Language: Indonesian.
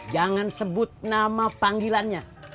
jangan sebut nama panggilannya